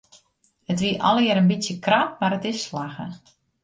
It wie allegear in bytsje krap mar it is slagge.